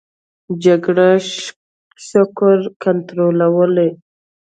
جګر شکر کنټرولوي.